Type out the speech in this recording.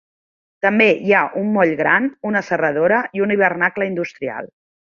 També hi ha un moll gran, una serradora i un hivernacle industrial.